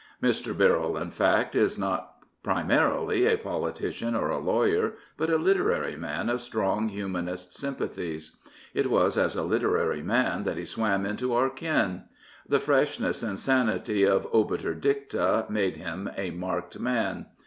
Mr. Birrell, in fact, is not primarily a politician or a lawyer, but a literary man of strong humanist S5nn pathies. It was as a literary man that he swam into 'our ken. The freshness and sanity of Obiter Dicta made him a marked man.